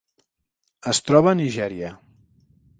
Es troba a Nigèria.